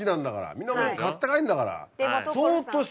みんなお土産買って帰るんだから。